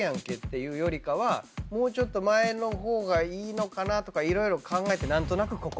ていうよりかはもうちょっと前の方がいいのかなとか色々考えて何となくここ。